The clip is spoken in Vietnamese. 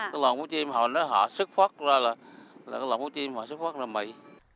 cái lòn phú chiêm họ nói họ sức phát ra là cái lòn phú chiêm họ sức phát ra là mì